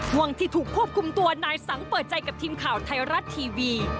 ห่วงที่ถูกควบคุมตัวนายสังเปิดใจกับทีมข่าวไทยรัฐทีวี